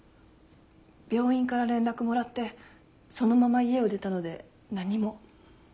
病院から連絡もらってそのまま家を出たので何も。